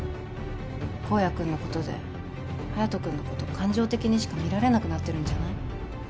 公哉君のことで隼人君のこと感情的にしか見られなくなってるんじゃない？